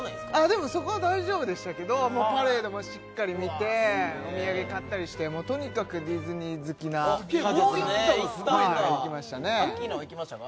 でもそこは大丈夫でしたけどパレードもしっかり見てお土産買ったりしてとにかくディズニー好きな家族なのでもう行ったのすごいな行きましたねアッキーナは行きましたか？